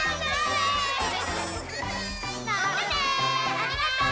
ありがとう！